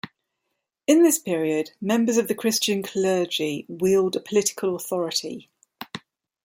In this period, members of the Christian clergy wield political authority.